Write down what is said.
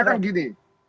akhirnya kan gini